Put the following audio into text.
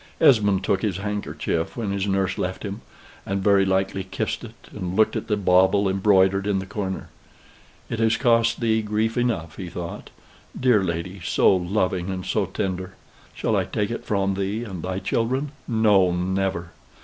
Esmond took his handkerchief when his nurse left him, and very likely kissed it, and looked at the bauble embroidered in the corner. "It has cost thee grief enough," he thought, "dear lady, so loving and so tender. Shall I take it from thee and thy children? No, never!